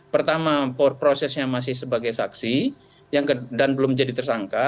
pertama prosesnya masih sebagai saksi dan belum jadi tersangka